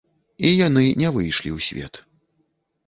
І яны не выйшлі ў свет.